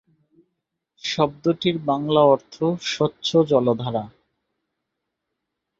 শব্দটির বাংলা অর্থ স্বচ্ছ জলধারা।